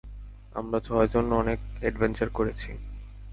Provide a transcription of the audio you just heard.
আমরা ছয়জন অনেক অ্যাডভেঞ্চার করেছি।